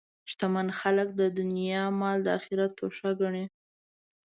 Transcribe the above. شتمن خلک د دنیا مال د آخرت توښه ګڼي.